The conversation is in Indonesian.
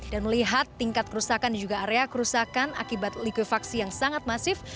dan melihat tingkat kerusakan di area kerusakan akibat likifaksi yang sangat masif